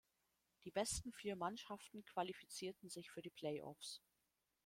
Die besten vier Mannschaften qualifizierten sich für die Play-Offs.